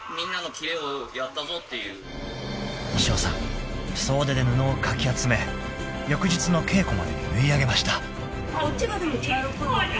［衣装さん総出で布をかき集め翌日の稽古までに縫い上げました］